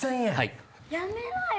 やめなよ！